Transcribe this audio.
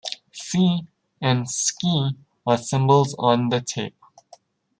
Si and Sk are symbols on the tape.